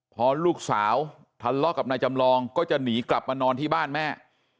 พอลูกสาวทะเลาะกับนายจำลองก็จะหนีกลับมานอนที่บ้านแม่